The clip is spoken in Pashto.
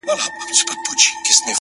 لکه زما زړه _ يو داسې بله هم سته _